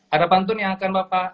ada pantun yang akan bapak